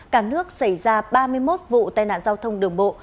cả nước xảy ra ba mươi một vụ tai nạn giao thông đường bộ